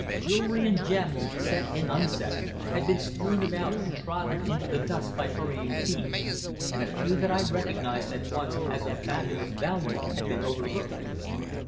Jewellery and gems, set and unset, had been strewn about and trodden into the dust by hurrying feet, and a few that I recognized at once as of fabulous value had been overlooked.